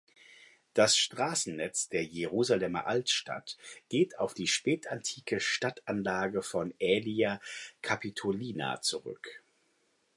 Das Straßennetz der Jerusalemer Altstadt geht auf die spätantike Stadtanlage von Aelia Capitolina zurück.